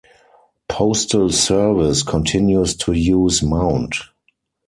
Postal Service continues to use Mount.